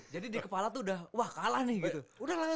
jadi di kepala tuh udah